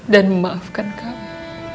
dan memaafkan kame